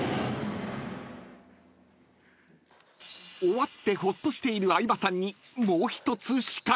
［終わってほっとしている相葉さんにもう１つ仕掛けを］